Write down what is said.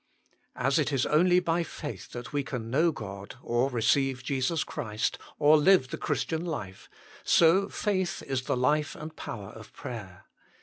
As it is only by faith that we can know God, or receive Jesus Christ, or live the Christian life, so faith is the life and power of prayer.